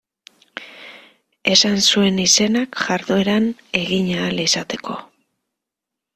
Esan zuen izenak jardueran egin ahal izateko.